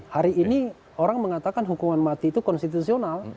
hari ini orang mengatakan hukuman mati itu konstitusional